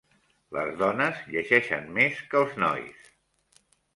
Les dones llegeixen més que els nois.